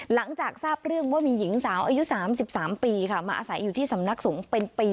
หลังจากทราบเรื่องว่ามีหญิงสาวอายุ๓๓ปีค่ะมาอาศัยอยู่ที่สำนักสงฆ์เป็นปี